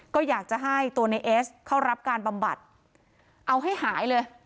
ก็อยากจะให้ตัวในเอสเข้ารับการบำบัดเอาให้หายเลย